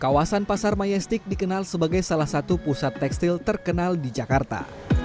kawasan pasar mayastik dikenal sebagai salah satu pusat tekstil terkenal di jakarta